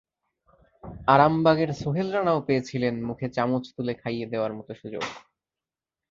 আরামবাগের সোহেল রানাও পেয়েছিলেন মুখে চামচ তুলে খাইয়ে দেওয়ার মতো সুযোগ।